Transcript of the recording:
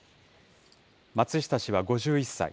松下氏は５１歳。